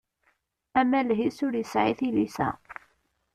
Amaleh-is ur yesɛi tilisa.